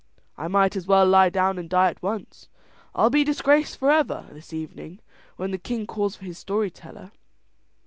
I might as well lie down and die at once. I'll be disgraced for ever this evening, when the king calls for his story teller."